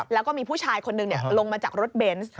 แล้วก็มีผู้ชายคนหนึ่งลงมาจากรถเบนส์